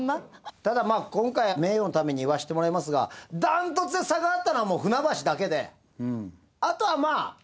ただ今回名誉のために言わせてもらいますが断トツで差があったのは船橋だけであとはまあ。